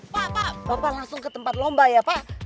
pak pak bapak langsung ke tempat lomba ya pak